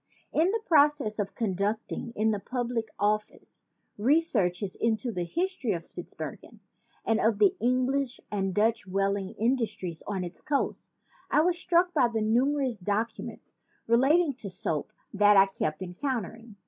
In the process of conducting, in the Public Record Office, researches into the history of Spitzbergen and of the English and Dutch whaling industries on its coasts, I was struck by the numerous documents relating to soap that I kept encountering.